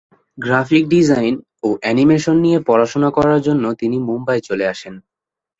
Graphic design ও animation নিয়ে পড়াশোনা করার জন্য তিনি মুম্বাই চলে আসেন।